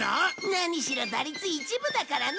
なにしろ打率１分だからね。